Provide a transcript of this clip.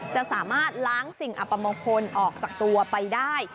จะสามารถล้างสิ่งอัปมงคลออกจากตัวไปได้